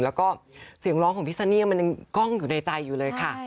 แล้วก็เสียงร้องของพี่ซาเนียมันยังกล้องอยู่ในใจอยู่เลยค่ะ